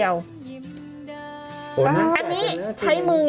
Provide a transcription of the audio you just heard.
โอเคโอเคโอเค